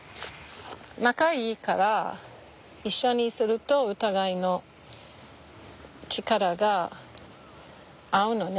仲いいから一緒にするとお互いの力が合うのね